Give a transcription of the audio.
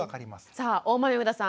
さあ大豆生田さん